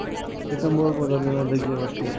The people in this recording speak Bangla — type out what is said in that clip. পীতাম্বর প্রজাদের মধ্যে গিয়া ভর্তি হইলেন।